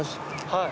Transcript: はい。